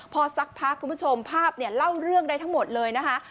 พอสักพักคุณผู้ชมภาพเนี่ยเล่าเรื่องได้ทั้งหมดเลยนะคะ